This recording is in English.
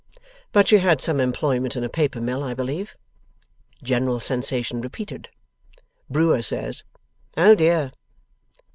But she had some employment in a paper mill, I believe.' General sensation repeated. Brewer says, 'Oh dear!